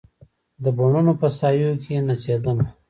د بڼوڼو په سایو کې نڅېدمه